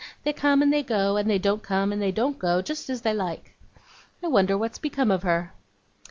They come and they go, and they don't come and they don't go, just as they like. I wonder what's become of her?